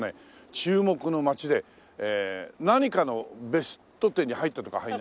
注目の街で何かのベスト１０に入ったとか入んないかとか。